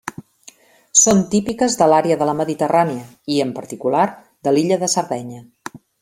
Són típiques de l'àrea de la Mediterrània i, en particular, de l'illa de Sardenya.